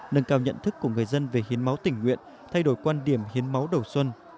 nâng cao nhận thức của người dân về hiến máu tình nguyện thay đổi quan điểm hiến máu đầu xuân